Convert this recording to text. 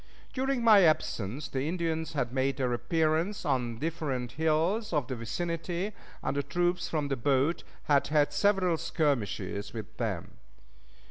During my absence the Indians had made their appearance on the different hills of the vicinity, and the troops from the boat had had several skirmishes with them.